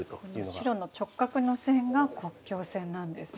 白の直角の線が国境線なんですね。